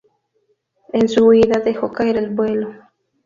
En su huida, dejó caer el velo.